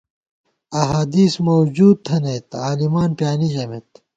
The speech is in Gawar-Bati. احادیث موجود تھنَئیت عالِمان پیانی ژَمېت